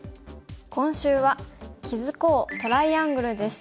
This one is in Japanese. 今週は「築こう！トライアングル」です。